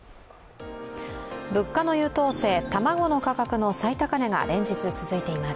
物価の優等生、卵の価格の最高値が連日、続いています。